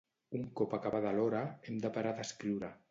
Un cop acabada l'hora, hem de parar d'escriure.